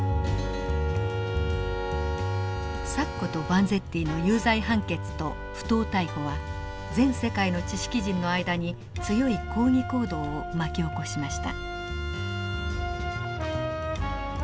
サッコとバンゼッティの有罪判決と不当逮捕は全世界の知識人の間に強い抗議行動を巻き起こしました。